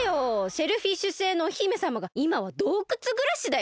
シェルフィッシュ星のお姫さまがいまはどうくつぐらしだよ？